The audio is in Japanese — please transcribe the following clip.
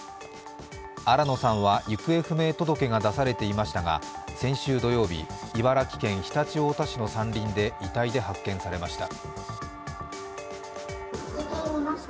新野さんは、行方不明届が出されていましたが、先週土曜日、茨城県常陸太田市の山林で遺体で発見されました。